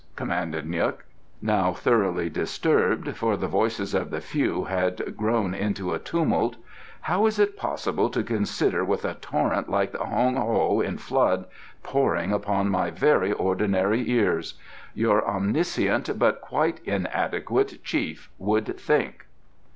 commanded N'guk, now thoroughly disturbed, for the voices of the few had grown into a tumult; "how is it possible to consider with a torrent like the Hoang Ho in flood pouring through my very ordinary ears? Your omniscient but quite inadequate Chief would think."